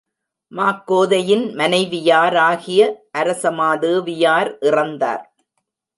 மாக்கோதையின் மனைவியாராகிய அரசமாதேவியார் இறந்தார்.